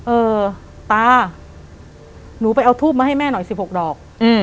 เออตาหนูไปเอาทูบมาให้แม่หน่อย๑๖ดอก